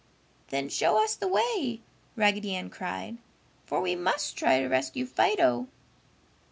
"Then show us the way!" Raggedy Ann cried, "for we must try to rescue Fido."